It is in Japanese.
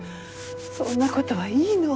そんな事はいいの。